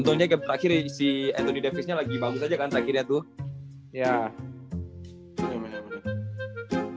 untungnya game terakhir si anthony davis nya lagi bagus aja kan terakhirnya tuh